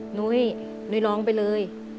หนุ๊ยหนุ๊ยร้องไปเลย